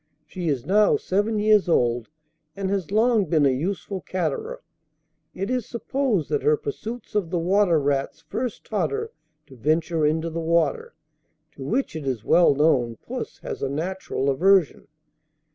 She is now seven years old, and has long been a useful caterer. It is supposed that her pursuits of the water rats first taught her to venture into the water, to which it is well known puss has a natural aversion.